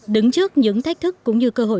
đứng trước những thách thức cũng như cơ hội